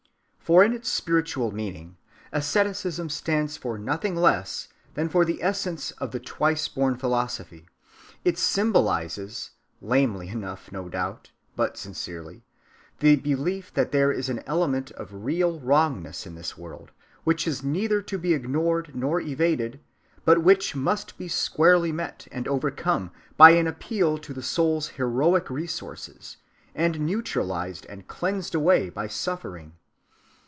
For in its spiritual meaning asceticism stands for nothing less than for the essence of the twice‐born philosophy. It symbolizes, lamely enough no doubt, but sincerely, the belief that there is an element of real wrongness in this world, which is neither to be ignored nor evaded, but which must be squarely met and overcome by an appeal to the soul's heroic resources, and neutralized and cleansed away by suffering.